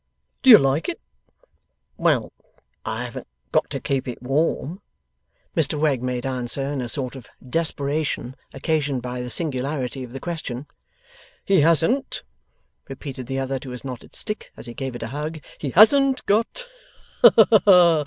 'Do you like it?' 'Well! I haven't got to keep it warm,' Mr Wegg made answer, in a sort of desperation occasioned by the singularity of the question. 'He hasn't,' repeated the other to his knotted stick, as he gave it a hug; 'he hasn't got ha! ha!